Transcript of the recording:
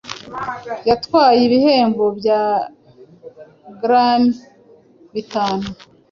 Yatwaye ibihembo bya Grammy bitanu